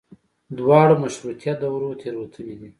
د دواړو مشروطیه دورو تېروتنې دي.